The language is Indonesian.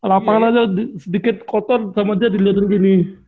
kalau apakah aja sedikit kotor sama dia dilihat begini